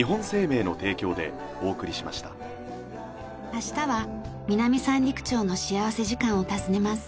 明日は南三陸町の幸福時間を訪ねます。